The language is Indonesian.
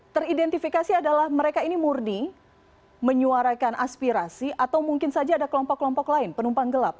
teridentifikasi adalah mereka ini murni menyuarakan aspirasi atau mungkin saja ada kelompok kelompok lain penumpang gelap